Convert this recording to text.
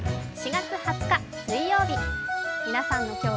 ４月２０日水曜日。